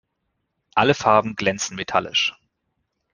Alle Farben glänzen metallisch.